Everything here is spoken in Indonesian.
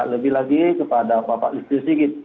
lebih lagi kepada bapak listi sigit